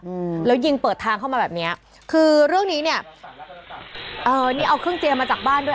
อืมแล้วยิงเปิดทางเข้ามาแบบเนี้ยคือเรื่องนี้เนี้ยเอ่อนี่เอาเครื่องเจียมาจากบ้านด้วย